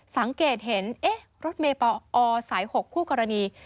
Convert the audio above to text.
สังเกตเห็นรถเมย์ปอสาย๖คู่กรณี